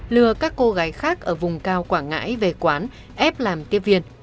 lừa các cô gái khác ở vùng cao quảng ngãi về quán ép làm tiếp viên